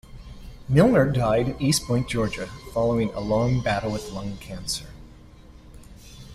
Milner died in East Point, Georgia, following a long battle with lung cancer.